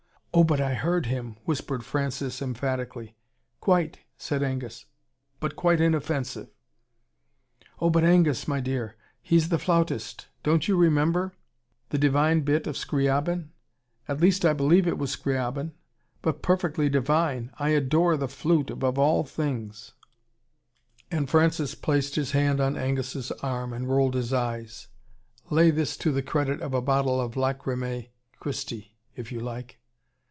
"Oh, but I heard him," whispered Francis emphatically. "Quite," said Angus. "But quite inoffensive." "Oh, but Angus, my dear he's the FLAUTIST. Don't you remember? The divine bit of Scriabin. At least I believe it was Scriabin. But PERFECTLY DIVINE!!! I adore the flute above all things " And Francis placed his hand on Angus' arm, and rolled his eyes Lay this to the credit of a bottle of Lacrimae Cristi, if you like.